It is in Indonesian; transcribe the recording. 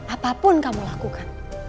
apapun kamu lakukan